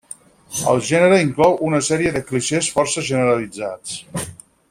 El gènere inclou una sèrie de clixés força generalitzats.